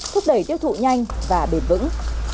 thúc đẩy tiêu thụ nhanh và bền vững